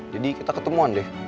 jadi kita ketemuan deh